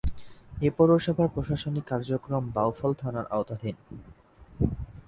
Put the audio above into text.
এ পৌরসভার প্রশাসনিক কার্যক্রম বাউফল থানার আওতাধীন।